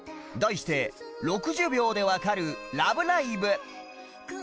題して６０秒でわかる『ラブライブ！』